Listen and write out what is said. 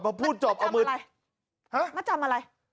พอพูดจบเอามือห้ะมัดจำอะไร